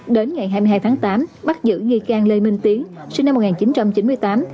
đến ngày hai mươi hai tháng tám bắt giữ nghi can lê minh tiến sinh năm một nghìn chín trăm chín mươi tám